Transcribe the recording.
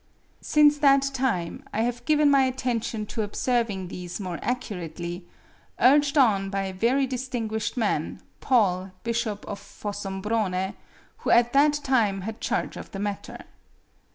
Since that time, I have given my attention to observing these more accurately, urged on by a very distinguished man, Paul, Bishop of Fossombrone, who at that time had charge of the matter.